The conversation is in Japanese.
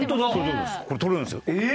撮れるんですよ。